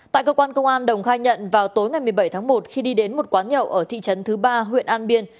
tại cơ quan công an đồng khai nhận vào tối ngày một mươi bảy tháng một khi đi đến một quán nhậu ở thị trấn thứ ba huyện an biên